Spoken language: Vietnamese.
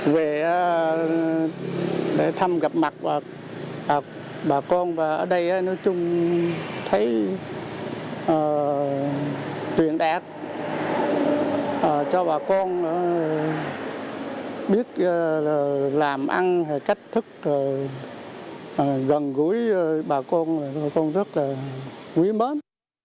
về thăm gặp mặt bà con và ở đây nói chung thấy tuyển đạt cho bà con biết làm ăn cách thức gần gũi bà con bà con rất là quý mến